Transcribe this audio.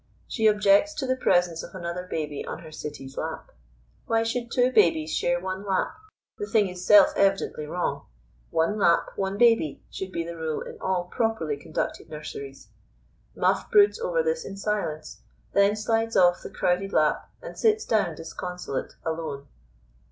She objects to the presence of another baby on her Sittie's lap. Why should two babies share one lap? The thing is self evidently wrong. One lap, one baby, should be the rule in all properly conducted nurseries. Muff broods over this in silence, then slides off the crowded lap and sits down disconsolate, alone.